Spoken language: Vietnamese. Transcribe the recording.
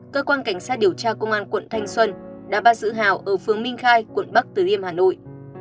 cơ quan cảnh sát điều tra công an quận thanh xuân đã bắt giữ hào ở phường minh khai quận bắc từ liêm hà nội